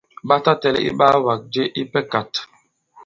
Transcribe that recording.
Ɓa ta tɛ̄lɛ̄ iɓaawàgà je ipɛ kāt.